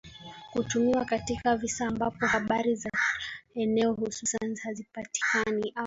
kutumiwa katika visa ambapo habari za eneo hususan hazipatikani au